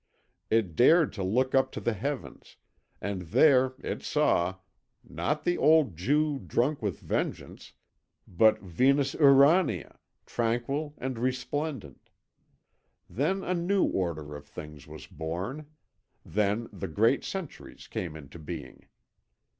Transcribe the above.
It dared to look up to the heavens, and there it saw, not the old Jew drunk with vengeance, but Venus Urania, tranquil and resplendent. Then a new order of things was born, then the great centuries came into being.